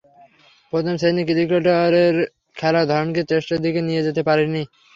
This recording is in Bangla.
প্রথম-শ্রেণীর ক্রিকেটের খেলার ধরনকে টেস্টের দিকে নিয়ে যেতে পারেননি।